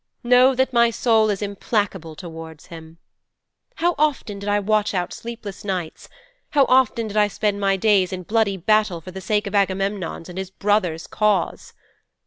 Know that my soul is implacable towards him. How often did I watch out sleepless nights, how often did I spend my days in bloody battle for the sake of Agamemnon's and his brother's cause!